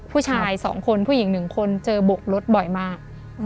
ผู้ชายสองคนผู้หญิงหนึ่งคนเจอโบกรถบ่อยมาก